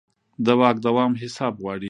د واک دوام حساب غواړي